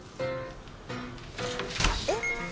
「えっ？